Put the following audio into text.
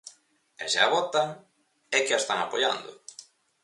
E, se a votan, é que a están apoiando.